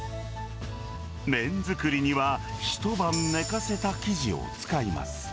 麺作りには一晩寝かせた生地を使います。